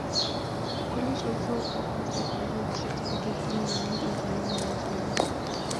The college also offers a graduate certificate in Marine Engineering Management.